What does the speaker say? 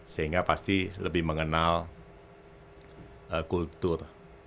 sehingga pasti lebih mengenal kultur